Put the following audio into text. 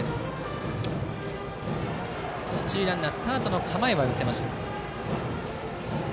一塁ランナースタートの構えは見せました。